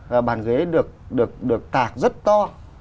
và bàn ghế được tạc rất to